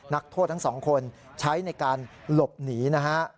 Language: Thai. นักโทษทั้งสองคนใช้ในการหลบหนีนะฮะ